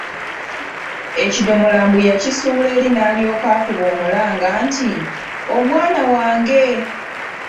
Ekidomola mbu yakisuula eri n’alyoka akuba omulanga nti, “Omwana wange!''